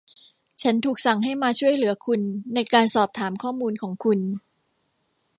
ฉันถูกสั่งให้มาช่วยเหลือคุณในการสอบถามข้อมูลของคุณ